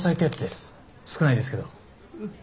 少ないですけど。